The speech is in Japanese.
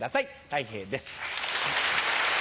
たい平です。